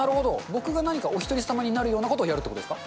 僕が何かおひとり様になるようなことをやるということですか。